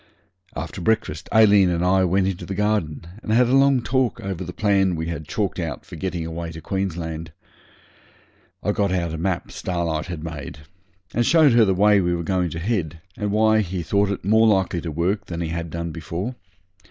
After breakfast Aileen and I went into the garden and had a long talk over the plan we had chalked out for getting away to Queensland. I got out a map Starlight had made and showed her the way we were going to head, and why he thought it more likely to work than he had done before.